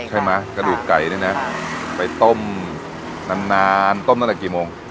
ใช่ไหมกระดูกไก่เนี้ยนะค่ะไปต้มนานนานต้มตั้งแต่กี่โมง